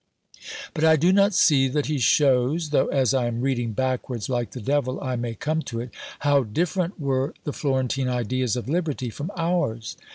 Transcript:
But I do not see that he shows tho' as I am reading backwards, like the Devil, I may come to it how different were the Florentine ideas of Liberty from ours.